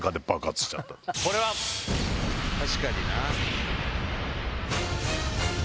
確かにな。